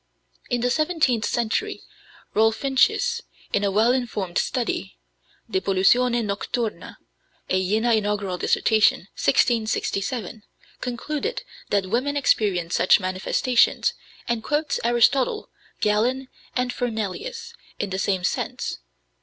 In the seventeenth century, Rolfincius, in a well informed study (De Pollutione Nocturna, a Jena Inaugural Dissertation, 1667), concluded that women experience such manifestations, and quotes Aristotle, Galen, and Fernelius, in the same sense.